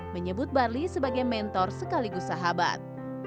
menyebut barli sebagai mentor sekaligus sahabat